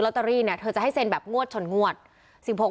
ล็อตเตอรี่เนี่ยเขาจะให้เสนแบบงวดขนงวดสิบหก